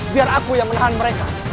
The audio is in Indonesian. biar aku yang menahan mereka